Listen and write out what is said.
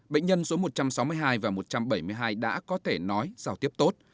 bệnh nhân số một trăm sáu mươi hai và một trăm bảy mươi hai đã có thể nói giao tiếp tốt